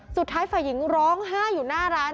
สุดท้ายฝ่ายหญิงร้องห้าอยู่หน้าร้าน